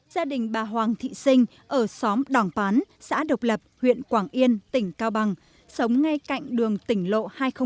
gia đình bà hoàng thị sinh ở xóm đòn pán xã độc lập huyện quảng yên tỉnh cao bằng sống ngay cạnh đường tỉnh lộ hai trăm linh bảy